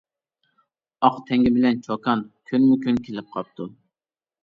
ئاق تەڭگە بىلەن چوكان، كۈنمۇكۈن كېلىپ قاپتۇ.